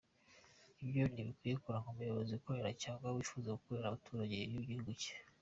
Ibyo ntibikwiye kuranga umuyobozi ukorera cyangwa wifuza gukorera abaturage b’igihugu cye.